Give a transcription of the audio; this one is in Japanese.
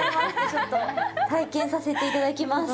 ちょっと体験させていただきます。